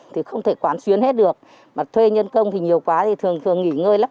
thì không thể quản xuyến hết được mà thuê nhân công thì nhiều quá thì thường thường nghỉ ngơi lắp